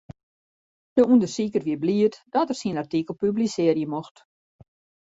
De ûndersiker wie bliid dat er syn artikel publisearje mocht.